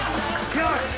よし！